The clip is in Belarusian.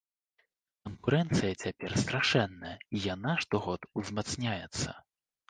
Канкурэнцыя цяпер страшэнная і яна штогод узмацняецца.